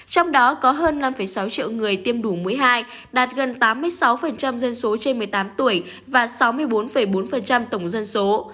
trong đó có hơn năm sáu triệu người tiêm đủ mũi hai đạt gần tám mươi sáu dân số trên một mươi tám tuổi và sáu mươi bốn bốn tổng dân số